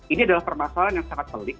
ini adalah permasalahan yang sangat pelik